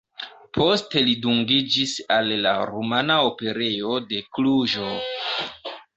Poste li dungiĝis al la Rumana Operejo de Kluĵo.